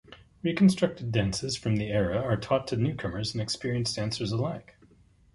Reconstructed dances from the era are taught to newcomers and experienced dancers alike.